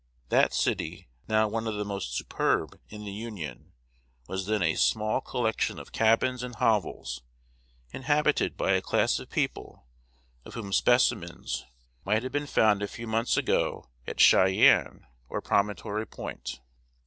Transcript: That city, now one of the most superb in the Union, was then a small collection of cabins and hovels, inhabited by a class of people of whom specimens might have been found a few months ago at Cheyenne or Promontory Point.